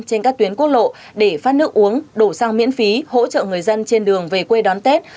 trên các tuyến quốc lộ để phát nước uống đổ sang miễn phí hỗ trợ người dân trên đường về quê đón tết